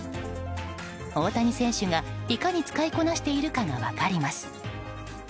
大谷選手がいかに使いこなしているかが分かります。